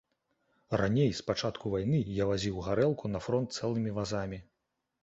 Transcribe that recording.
Раней, з пачатку вайны, я вазіў гарэлку на фронт цэлымі вазамі.